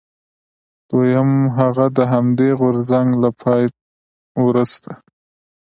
دویم هغه د همدې غورځنګ له پای وروسته.